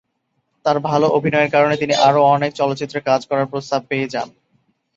তার ভালো অভিনয়ের কারণে তিনি আরো অনেক চলচ্চিত্রে কাজ করার প্রস্তাব পেয়ে যান।